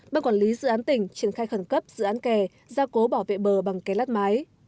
ban quản lý dự án tỉnh triển khai khẩn cấp dự án kè gia cố bảo vệ bờ bằng ké lát mái